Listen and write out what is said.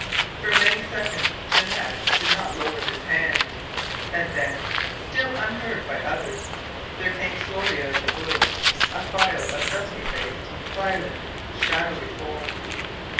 For many seconds Janesse did not lower his hand; and then, still unheard by the others, there came slowly out of the gloom a file of dusky faced, silent, shadowy forms.